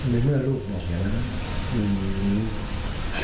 ในเมื่อลูกบอกอย่างนั้น